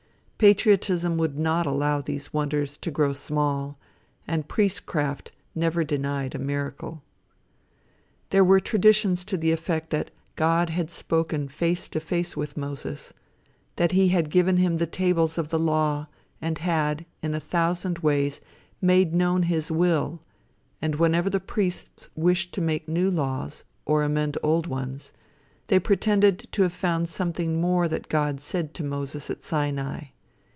Patriotism would not allow these wonders to grow small, and priestcraft never denied a miracle. There were traditions to the effect that God had spoken face to face with Moses; that he had given him the tables of the law, and had, in a thousand ways, made known his will; and whenever the priests wished to make new laws, or amend old ones, they pretended to have found something more that God said to Moses at Sinai.